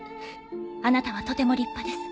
あなたはとても立派です。